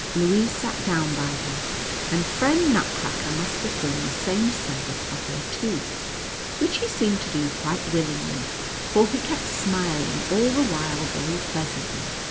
Louise sat down by her, and friend Nutcracker must perform the same service for her too, which he seemed to do quite willingly, for he kept smiling all the while very pleasantly.